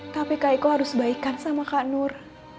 tapi kakiku harus sebaikan sama kak nur